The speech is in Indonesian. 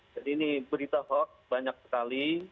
ini berita hoax banyak sekali